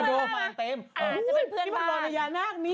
อ่าจะเป็นเพื่อนบ้านอุ้ยนี่เป็นรวรณญานาคนี่